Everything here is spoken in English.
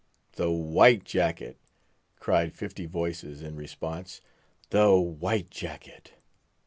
_" "The white jacket!" cried fifty voices in response; "_the white jacket!